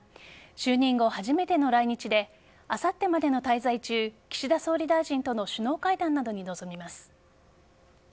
就任後、初めての来日であさってまでの滞在中岸田総理大臣との首脳会談などに臨みます。